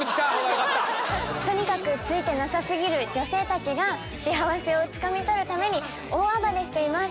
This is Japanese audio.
とにかくツイてなさ過ぎる女性たちが幸せをつかみ取るために大暴れしています。